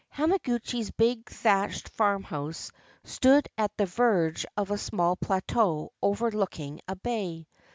Hamaguchi's big thatched farmhouse stood at the verge of a small plateau overlooking a bay.